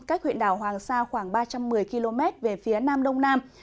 cách huyện đảo hoàng sa khoảng ba trăm một mươi km về phía nam đông nam